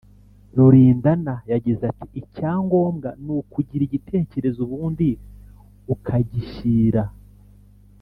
Rulindana yagize ati “ Icyangombwa ni ukugira igitekerezo ubundi ukagishyira